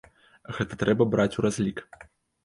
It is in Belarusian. Гэта трэба браць у разлік.